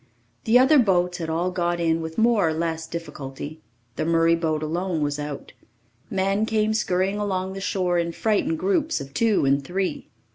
The other boats had all got in with more or less difficulty. The Murray boat alone was out. Men came scurrying along the shore in frightened groups of two and three.